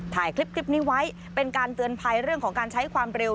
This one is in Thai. ถ่ายคลิปนี้ไว้เป็นการเตือนภัยเรื่องของการใช้ความเร็ว